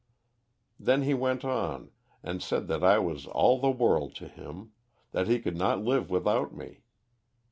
Then he went on, and said that I was all the world to him; that he could not live without me.